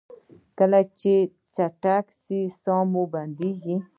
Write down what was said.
کله چې چټک ځئ ساه مو بندیږي؟